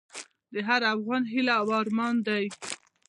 د هر افغان هیله او ارمان دی؛